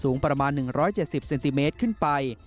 สูงประมาณ๑๗๐เซนติเมตรขึ้นไป